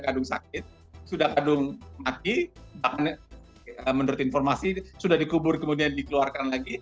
kadung sakit sudah kadung mati bahkan menurut informasi sudah dikubur kemudian dikeluarkan lagi